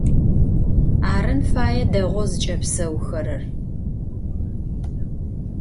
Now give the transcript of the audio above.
Арын фае дэгъоу зыкӀэпсэухэрэр.